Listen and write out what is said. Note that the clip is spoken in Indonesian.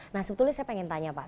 nah sebetulnya saya pengen tanya pak